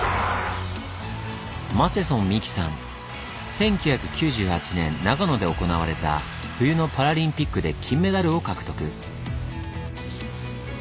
１９９８年長野で行われた冬のパラリンピックで金メダルを獲得。